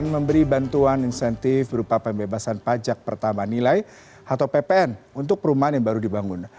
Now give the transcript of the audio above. memberi bantuan insentif berupa pembebasan pajak pertama nilai atau ppn untuk perumahan yang baru dibangun